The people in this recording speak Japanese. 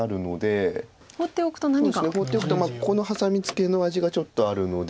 放っておくとこのハサミツケの味がちょっとあるので。